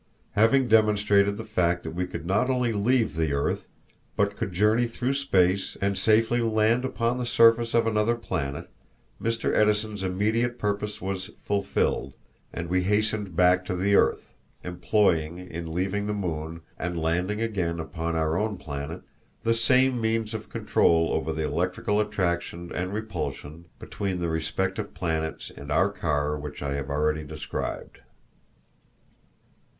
Having demonstrated the fact that we could not only leave the earth, but could journey through space and safely land upon the surface of another planet, Mr. Edison's immediate purpose was fulfilled, and we hastened back to the earth, employing in leaving the moon and landing again upon our own planet the same means of control over the electrical attraction and repulsion between the respective planets and our car which I have already described.